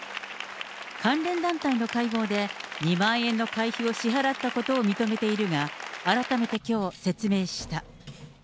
関連団体の会合で、２万円の会費を支払ったことを認めているが、改めてきょう、説明した。